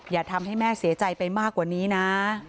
อย่าทำให้แม่เสียใจไปมากกว่านี้นะ